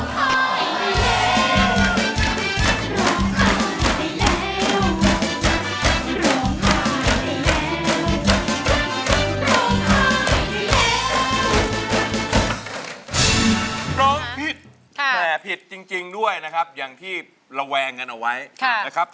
ร้องผิดแต่ผิดจริงด้วยนะครับอย่างที่ระแวงกันเอาไว้นะครับ